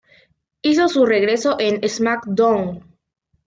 Hizo su regreso en SmackDown!